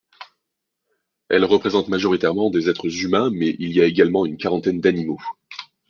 Elles représentent majoritairement des êtres humains, mais il y a également une quarantaine d'animaux.